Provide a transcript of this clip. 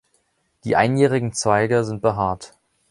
Die einjährigen Zweige sind behaart.